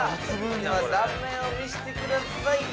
まず断面を見せてください